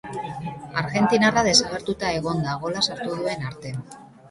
Argentinarra desagertuta egon da, gola sartu duen arte.